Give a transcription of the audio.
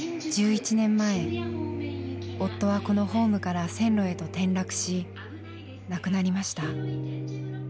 １１年前夫はこのホームから線路へと転落し亡くなりました。